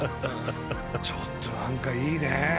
ちょっとなんかいいね！